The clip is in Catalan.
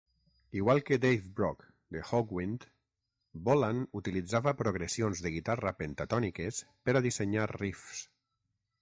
Igual que Dave Brock de Hawkwind, Bolan utilitzava progressions de guitarra pentatòniques per a dissenyar riffs.